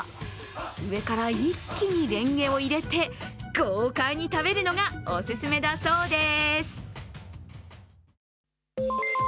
上から一気にレンゲを入れて豪快に食べるのがオススメだそうです。